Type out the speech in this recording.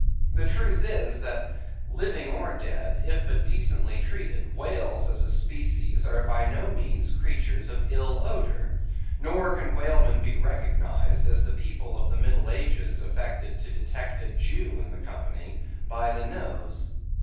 The truth is, that living or dead, if but decently treated, whales as a species are by no means creatures of ill odor; nor can whalemen be recognised, as the people of the middle ages affected to detect a Jew in the company, by the nose.